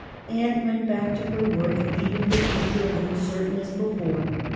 Anne went back to her work, leaving the fu ture as uncertain as before.